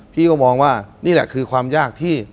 พี่ก็มองว่านี่แหละคือความยากที่